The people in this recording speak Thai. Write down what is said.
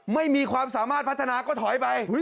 ไม่มีความสามารถพัฒนาก็ถอยไป